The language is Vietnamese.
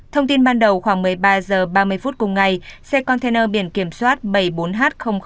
thông tin ban đầu khoảng một mươi ba h ba mươi phút cùng ngày xe container biển kiểm soát bảy mươi bốn h chín trăm sáu mươi sáu